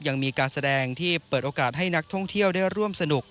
ยังมีการแสดงที่เปิดโอกาสให้นักท่องเที่ยวได้ร่วมสนุก